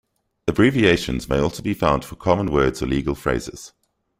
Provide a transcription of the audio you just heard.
Abbreviations may also be found for common words or legal phrases.